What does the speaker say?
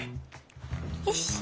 よし！